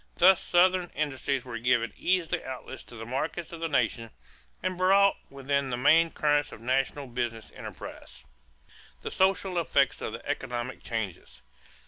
Thus Southern industries were given easy outlets to the markets of the nation and brought within the main currents of national business enterprise. =The Social Effects of the Economic Changes.